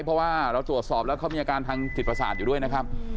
เพราะว่าเราตรวจสอบแล้วเขามีอาการทางจิตประสาทอยู่ด้วยนะครับ